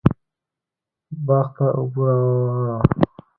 باغ ته اوبه راواړوه